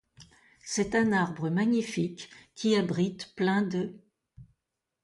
C'est un arbre magnifique qui abrite plein d